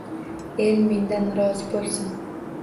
El mendan rozi bo’lsin